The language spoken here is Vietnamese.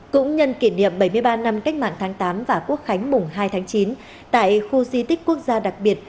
cũng nhân kỷ niệm bảy mươi ba năm cách mạng tháng tám và quốc khánh mùng hai tháng chín tại khu di tích quốc gia đặc biệt